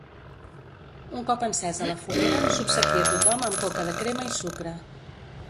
Un cop encesa la foguera s'obsequia tothom amb coca de crema i sucre.